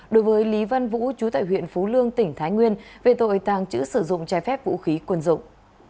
đối với lý văn vũ chú tại huyện phú lương tỉnh thái nguyên về tội tàng trữ sử dụng trái phép vũ khí quân dụng